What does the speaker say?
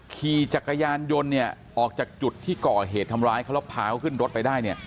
ขี่จักรยานยนต์เนี่ยออกจากจุดที่ก่อเหตุทำร้ายเขาแล้วพาเขาขึ้นรถไปได้เนี่ย